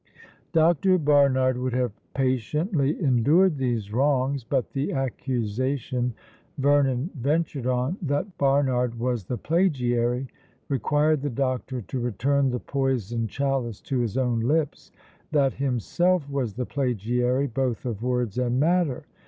Dr. Barnard would have "patiently endured these wrongs;" but the accusation Vernon ventured on, that Barnard was the plagiary, required the doctor "to return the poisoned chalice to his own lips," that "himself was the plagiary both of words and matter."